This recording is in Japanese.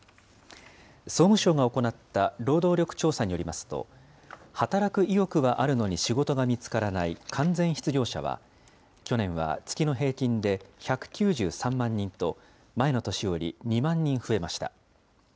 総務省が行った労働力調査によりますと、働く意欲はあるのに仕事が見つからない完全失業者は、去年は月の平均で１９３万人と、前の年より２万人増えました。